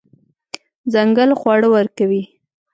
ځنګل خواړه ورکوي.